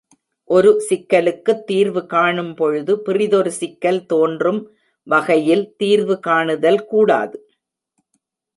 ஒரு சிக்கலுக்குத் தீர்வு காணும்பொழுது பிறிதொரு சிக்கல் தோன்றும் வகையில் தீர்வு காணுதல் கூடாது.